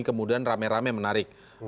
kemudian rame rame menarik